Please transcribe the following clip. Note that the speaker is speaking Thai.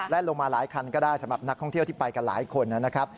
และลงมาหลายคันก็ได้สำหรับนักท่องเที่ยวที่ไปกันหลายคนนะครับ